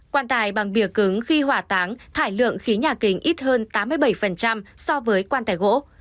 quan tài bằng bìa cứng khi hỏa táng thải lượng khí nhà kính ít hơn tám mươi bảy so với quan tài gỗ